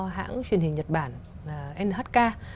hãng truyền hình nhật bản nhk